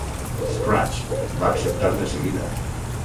"Scratch" va acceptar de seguida.